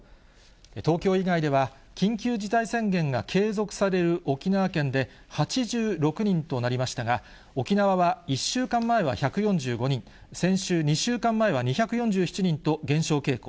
東京以外では、緊急事態宣言が継続される沖縄県で８６人となりましたが、沖縄は１週間前は１４５人、２週間前は２４７人と減少傾向。